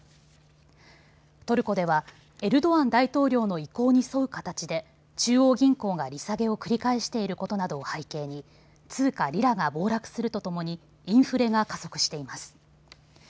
トルコではエルドアン大統領の意向に沿う形で中央銀行が利下げを繰り返していることなどを背景に通貨リラが暴落するとともにインフレが加速しています。